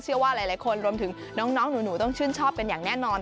เชื่อว่าหลายคนรวมถึงน้องหนูต้องชื่นชอบกันอย่างแน่นอน